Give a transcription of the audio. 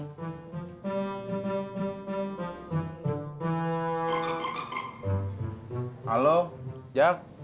tidak ada yang bisa dihapus